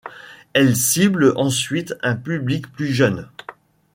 Elle cible ensuite un public plus jeune.